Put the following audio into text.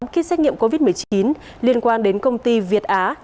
ký xét nghiệm covid một mươi chín liên quan đến công ty việt á